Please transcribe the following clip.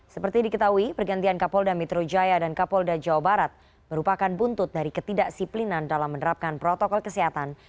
seperti diketahui pergantian kapolda metro jaya dan kapolda jawa barat merupakan buntut dari ketidaksiplinan dalam menerapkan protokol kesehatan